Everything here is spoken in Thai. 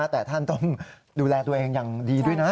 แต่ท่านต้องดูแลตัวเองอย่างดีด้วยนะ